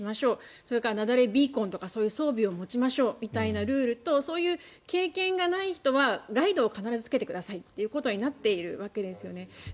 それから雪崩ビーコンとかそういう装備を持ちましょうみたいなルールとそういう経験がない人はガイドを必ずつけてくださいということになっているわけですよね。